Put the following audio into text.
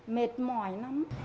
mệt mỏi lắm